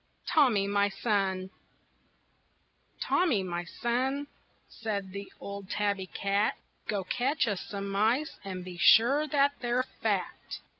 TOMMY, MY SON "Tommy, my son," said the old tabby cat, "Go catch us some mice, and be sure that they're fat.